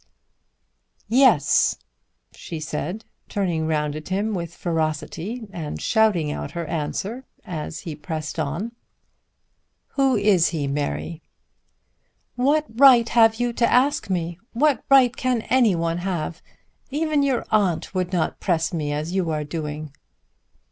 "Yes," she said turning round at him with ferocity and shouting out her answer as she pressed on. "Who is he, Mary?" "What right have you to ask me? What right can any one have? Even your aunt would not press me as you are doing."